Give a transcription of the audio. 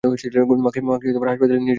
মাকে হাসপাতালে নিয়ে যেতে হবে।